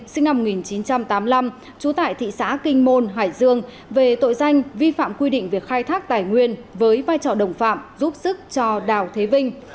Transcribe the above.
sinh năm một nghìn chín trăm tám mươi năm trú tại thị xã kinh môn hải dương về tội danh vi phạm quy định về khai thác tài nguyên với vai trò đồng phạm giúp sức cho đào thế vinh